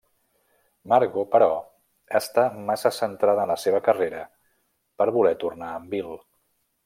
Margo, però, està massa centrada en la seva carrera per voler tornar amb Bill.